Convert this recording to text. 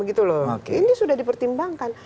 ini sudah di pertimbangkan